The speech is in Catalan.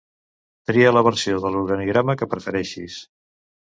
Tria la versió de l'organigrama que prefereixis.